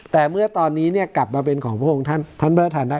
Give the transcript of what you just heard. แต่เมื่อตอนนี้เนี่ยกลับมาเป็นของพระองค์ท่านพระราชทานได้